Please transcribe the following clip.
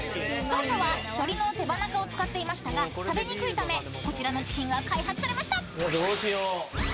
［当初は鶏の手羽中を使っていましたが食べにくいためこちらのチキンが開発されました］